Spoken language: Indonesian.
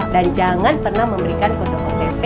dan jangan pernah memberikan kode otp